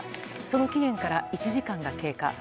その期限から１時間が経過。